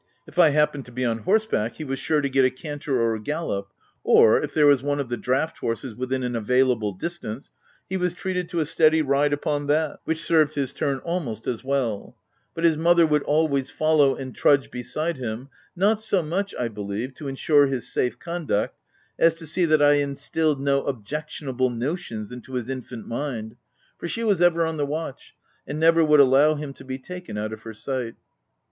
If I happened to be on horseback, he was sure to get a canter or a gallop ; or, if there was one of the draught horses within an available distance, he was treated to a steady ride upon that, which served his turn almost as well ; but his mother would 96 THE TENANT always follow and trudge beside him — not so much, I believe, to ensure his safe conduct, as to see that I instilled no objectionable notions into his infant mind ; for she was ever on the watch, and never would allow him to be taken out of her sight.